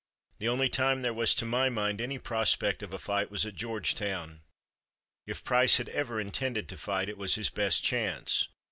The only time there was to my mind any prospect of a fight was at Georgetown. If Price had ever intended to fight, it was his best chance.